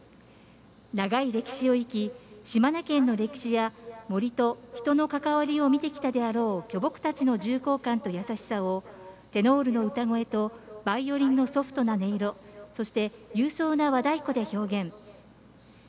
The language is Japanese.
長い歴史を生き島根県の歴史や森と人の関わりを見てきたであろう巨木たちの重厚感と優しさをテノールの歌声とバイオリンのソフトな音色そして、勇壮な和太鼓で表現。